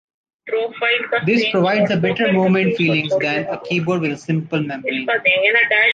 This provides a better movement feelings than a keyboard with a simple membrane.